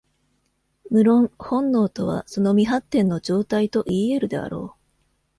無論、本能とはその未発展の状態といい得るであろう。